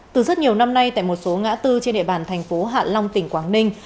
từ rất nhiều năm nay tại một số ngã tư trên địa bàn thành phố hạ long tỉnh quảng ninh